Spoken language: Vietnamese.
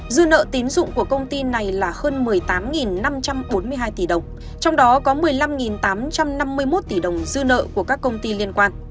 dư nợ tín dụng của công ty này là hơn một mươi tám năm trăm bốn mươi hai tỷ đồng trong đó có một mươi năm tám trăm năm mươi một tỷ đồng dư nợ của các công ty liên quan